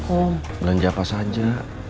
aku belanja apa saja